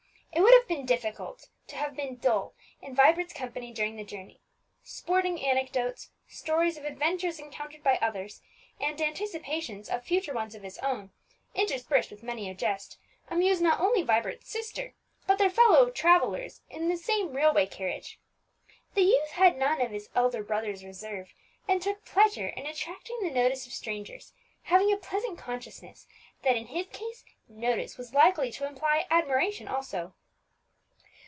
It would have been difficult to have been dull in Vibert's company during the journey. Sporting anecdotes, stories of adventures encountered by others, and anticipations of future ones of his own, interspersed with many a jest, amused not only Vibert's sister, but their fellow travellers in the same railway carriage. The youth had none of his elder brother's reserve, and took pleasure in attracting the notice of strangers, having a pleasant consciousness that in his case notice was likely to imply admiration also.